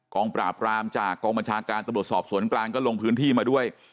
งปราบรามจากกองบัญชาการตำรวจสอบสวนกลางก็ลงพื้นที่มาด้วย